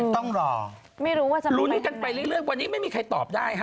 ต้องรอไม่รู้ว่าจะลุ้นกันไปเรื่อยวันนี้ไม่มีใครตอบได้ฮะ